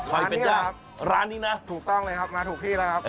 อยเป็ดย่าครับร้านนี้นะถูกต้องเลยครับมาถูกที่แล้วครับ